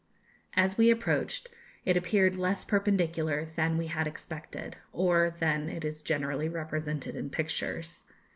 As we approached, it appeared less perpendicular than we had expected, or than it is generally represented in pictures.